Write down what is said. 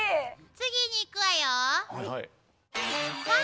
次に行くわよ。